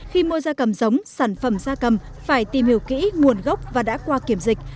khi mua da cầm giống sản phẩm da cầm phải tìm hiểu kỹ nguồn gốc và đã qua kiểm dịch